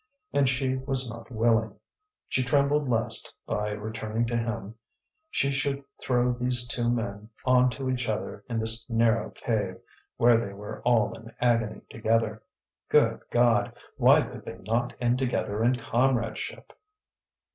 And she was not willing; she trembled lest, by returning to him, she should throw these two men on to each other in this narrow cave, where they were all in agony together. Good God! why could they not end together in comradeship!